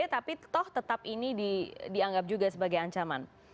tapi toh tetap ini dianggap juga sebagai ancaman